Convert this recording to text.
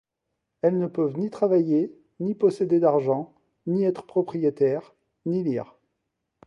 Elles ne peuvent ni travailler, ni posséder d'argent, ni être propriétaires, ni lire.